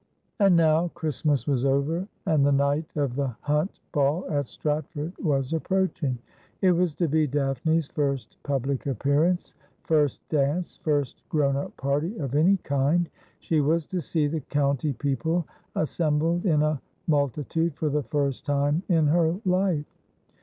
And now Christmas was over, and the night of the Hunt Ball at Stratford was approaching. It was to be Daphne's first public appearance ; first dance ; first grown up party of any kind. She was to see the county people assembled in a multi tude for the first time in her life.